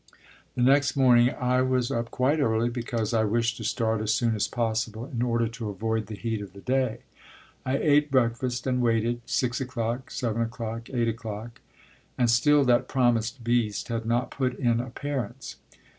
The next morning I was up quite early, because I wished to start as soon as possible in order to avoid the heat of the day. I ate breakfast and waited six o'clock, seven o'clock, eight o'clock and still that promised beast had not put in appearance.